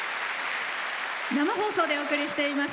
生放送でお送りしています